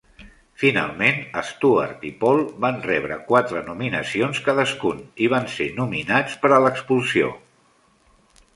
Finalment, Stuart i Paul van rebre quatre nominacions cadascun i van ser nominats per a l'expulsió.